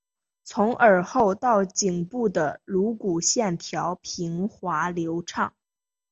从耳后到颈部的颅骨线条平滑流畅。